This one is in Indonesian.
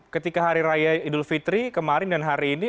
ketika hari raya idul fitri kemarin dan hari ini